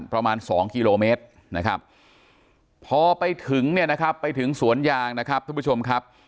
ประมาณ๒กิโลเมตรนะครับพอไปถึงสวนยางนะครับทุกผู้ชมครับ